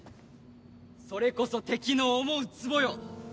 それこそ敵の思うつぼよ。